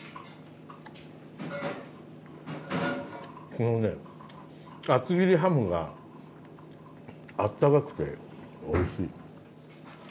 このね厚切りハムがあったかくておいしい。